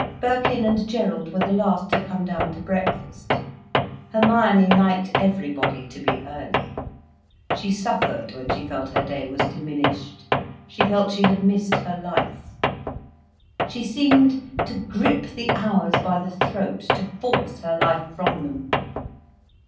Birkin and Gerald were the last to come down to breakfast. Hermione liked everybody to be early. She suffered when she felt her day was diminished, she felt she had missed her life. She seemed to grip the hours by the throat, to force her life from them.